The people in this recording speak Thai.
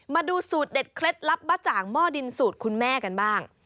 มาดูสูตรเด็ดเคล็ดลับบะจ่างหม้อดินสูตรคุณแม่กันบ้าง